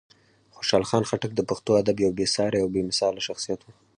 خوشحال خان خټک د پښتو ادب یو بېساری او بېمثاله شخصیت و.